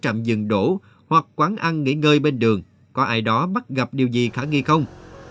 trạm dừng đổ hoặc quán ăn nghỉ ngơi bên đường có ai đó bắt gặp điều gì khả nghi không